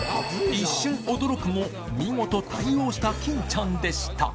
一瞬驚くも、見事対応した欽ちゃんでした。